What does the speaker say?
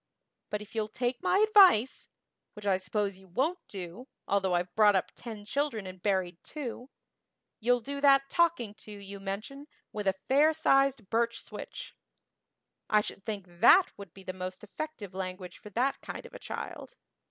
But if you'll take my advice which I suppose you won't do, although I've brought up ten children and buried two you'll do that 'talking to' you mention with a fair sized birch switch. I should think that would be the most effective language for that kind of a child.